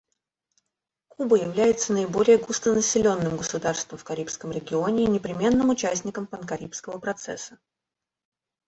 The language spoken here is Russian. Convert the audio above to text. Куба является наиболее густонаселенным государством в Карибском регионе и непременным участником панкарибского процесса.